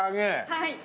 はい。